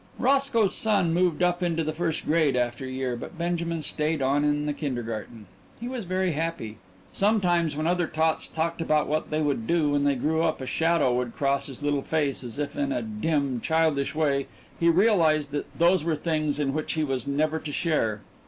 Roscoe's son moved up into the first grade after a year, but Benjamin stayed on in the kindergarten. He was very happy. Sometimes when other tots talked about what they would do when they grew up a shadow would cross his little face as if in a dim, childish way he realised that those were things in which he was never to share.